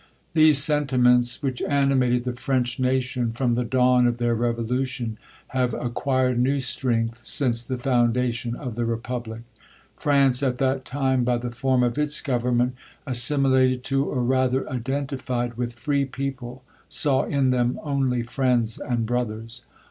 These sentiments, which animated the French na tion, from the dawn of their revolution, have acquired new strength since the foundation of the republic. France, at that time, by the form of its government, as similated to, or rather identified with free people, saw in them only friends and brothers.